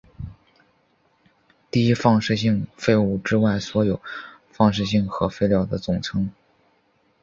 低放射性废物之外所有放射性核废料的总称。